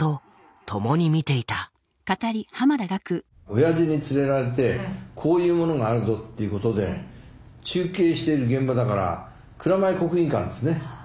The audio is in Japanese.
おやじに連れられてこういうものがあるぞっていうことで中継してる現場だから蔵前国技館ですね。